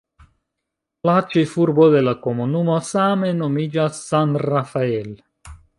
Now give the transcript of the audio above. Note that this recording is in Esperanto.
La ĉefurbo de la komunumo same nomiĝas "San Rafael".